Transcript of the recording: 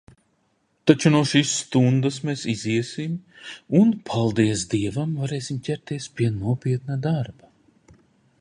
Taču no šīs stundas mēs iziesim un, paldies Dievam, varēsim ķerties pie nopietna darba.